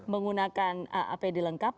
menggunakan aapd lengkap